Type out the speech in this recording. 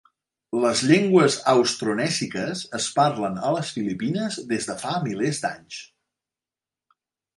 Les llengües austronèsiques es parlen a les Filipines des de fa milers d'anys.